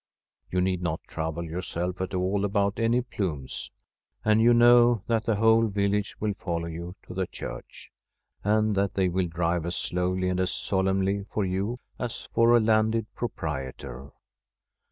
You need not trouble yourself at all about any plumes. And you know that the whole village will follow you to the church, and that they will drive as slowly and as solemnly for you as for a landed proprietor.